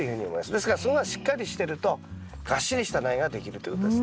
ですからそこがしっかりしてるとがっしりした苗ができるということですね。